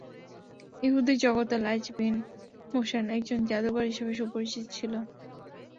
ইহুদী জগতে লাঈছ বিন মোশান একজন জাদুকর হিসেবে সুপরিচিত ছিল।